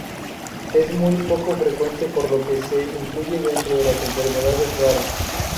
Es muy poco frecuente por lo que se incluye dentro de las enfermedades raras.